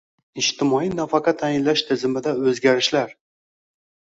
Ijtimoiy nafaqa tayinlash tizimida o‘zgarishlarng